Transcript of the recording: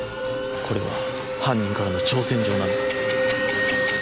これは犯人からの挑戦状なんだ。